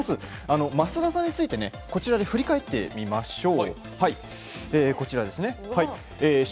増田さんについて振り返ってみましょう。